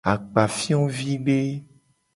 Akpafiovide.